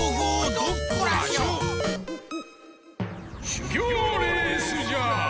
しゅぎょうレースじゃ！